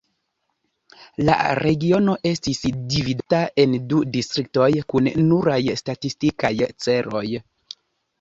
La regiono estis dividata en du distriktoj kun nuraj statistikaj celoj.